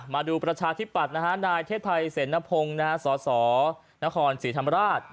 มาดูประชาธิบัตินะฮะนายเทศไทยเสร็จนพงศ์สสนครสีธรรมราช